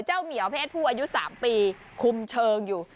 เหมียวเพศผู้อายุ๓ปีคุมเชิงอยู่